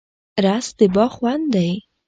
رس د باغ خوند دی